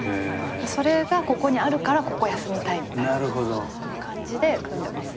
それがここにあるからここ休みたいみたいな感じで組んでますね。